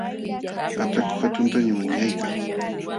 Ataku hatuntañam wiñaykan.